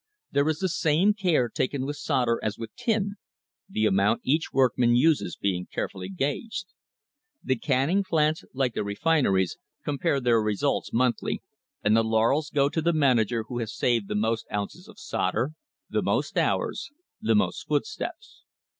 There is the same care taken with solder as with tin, the amount each workman uses being carefully gauged. The canning plants, like the refineries, compare their results monthly, and the laurels go to the manager who has saved the most ounces of solder, the most hours, the most footsteps.